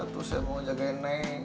terus saya mau jagain naik